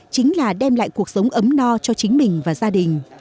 chính là đem lại cuộc sống ấm no cho chính mình và gia đình